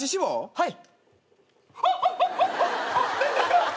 はい。